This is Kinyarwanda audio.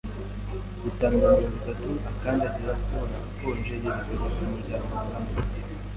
bitanu na mirongo itatu, akandagira akonje yerekeza ku muryango abura mu nzu.